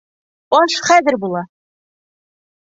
Аш хәҙер була!